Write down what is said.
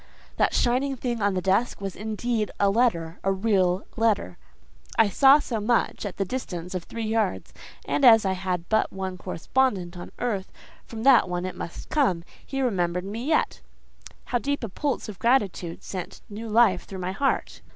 That shining thing on the desk was indeed a letter, a real letter; I saw so much at the distance of three yards, and as I had but one correspondent on earth, from that one it must come. He remembered me yet. How deep a pulse of gratitude sent new life through my heart.